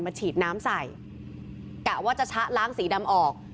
ฉีดน้ำใส่กะว่าจะชะล้างสีดำออก